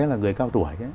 là người cao tuổi